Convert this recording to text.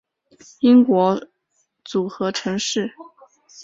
英国组合城市